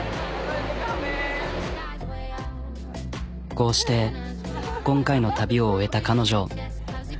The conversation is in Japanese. こうして今回の旅を終えた彼女。